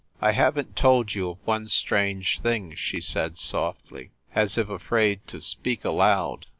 "I haven t told you of one strange thing," she said softly, as if afraid to speak aloud.